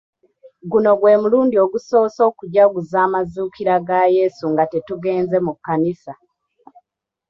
Guno gwe mulundi ogusoose okujaguza amazuukira ga yesu nga tetugenze mu kkanisa.